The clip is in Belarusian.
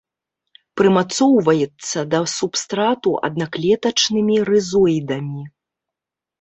Прымацоўваецца да субстрату аднаклетачнымі рызоідамі.